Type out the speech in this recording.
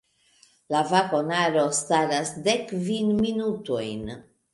La vagonaro staras dekkvin minutojn!